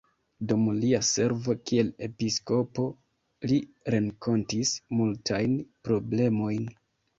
Dum lia servo kiel episkopo, li renkontis multajn problemojn.